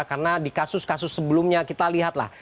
karena di kasus kasus sebelumnya kita lihatlah